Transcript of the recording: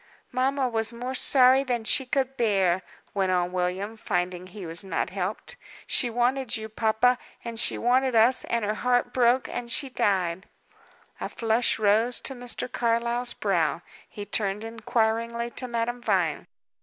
"Mamma was more sorry than she could bear," went on William, finding he was not helped. "She wanted you, papa, and she wanted us, and her heart broke, and she died." A flush rose to Mr. Carlyle's brow. He turned inquiringly to Madame Vine.